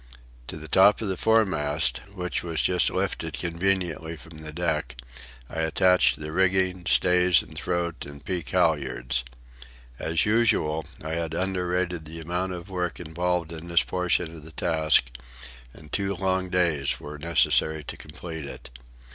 To the top of the foremast, which was just lifted conveniently from the deck, I attached the rigging, stays and throat and peak halyards. As usual, I had underrated the amount of work involved in this portion of the task, and two long days were necessary to complete it.